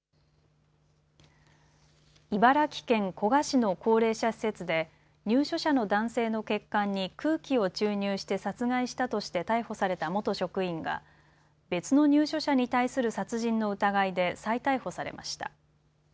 茨城県古河市の高齢者施設で入所者の男性の血管に空気を注入して殺害したとして逮捕された元職員が別の入所者に対する殺人の疑いで再逮捕されました。